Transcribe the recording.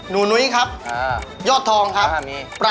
บอกชื่อตัวละครในหนังตะลุงมา๓ชื่อครับ